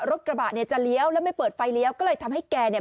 รถกระบะเนี่ยจะเลี้ยวแล้วไม่เปิดไฟเลี้ยวก็เลยทำให้แกเนี่ย